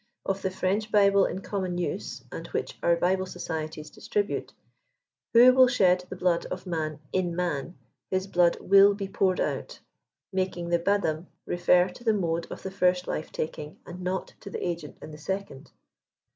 Of the French Bible in common use, and which our Bible Societies distribute, "Who will shed the blood of man in marif his blood mil he poured out;" making the "b'adam" refer to the mode of the first life taking, and not to the agent in the second.